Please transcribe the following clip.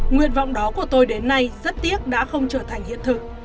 nguyện vọng đó của tôi đến nay rất tiếc đã không trở thành hiện thực